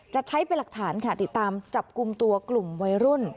จะใช้เป็นหลักฐานค่ะติดตามจับกลุ่มตัวกลุ่มวัยรุ่น